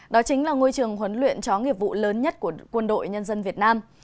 đó chính là ngôi trường huấn luyện chó nghiệp vụ lớn nhất của quân đội nhân dân việt nam